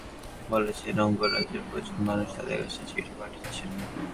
সংগঠনটির প্রধান Louis Marinelli বলেছেন, অঙ্গরাজ্যের প্রচুর মানুষ তাঁদের কাছে চিঠি পাঠাচ্ছেন।